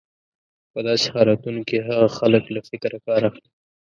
په داسې حالتونو کې هغه خلک له فکره کار اخلي.